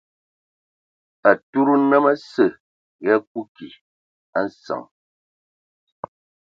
Atud nnəm asə ya kuiki a nsəŋ.